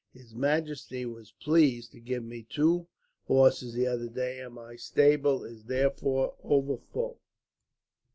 His majesty was pleased to give me two horses, the other day, and my stable is therefore over full.